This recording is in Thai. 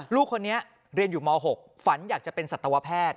ลูกคนนี้เรียนอยู่ม๖ฝันอยากจะเป็นสัตวแพทย์